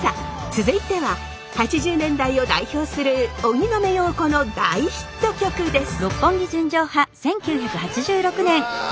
続いては８０年代を代表する荻野目洋子の大ヒット曲です！